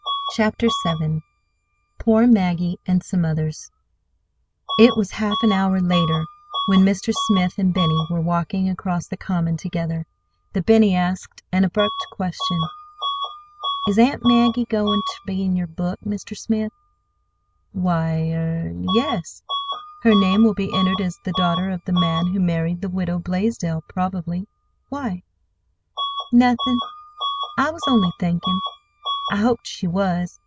CHAPTER VII POOR MAGGIE AND SOME OTHERS It was half an hour later, when Mr. Smith and Benny were walking across the common together, that Benny asked an abrupt question. "Is Aunt Maggie goin' ter be put in your book, Mr. Smith?" "Why—er—yes; her name will be entered as the daughter of the man who married the Widow Blaisdell, probably. Why?" "Nothin'. I was only thinkin'. I hoped she was.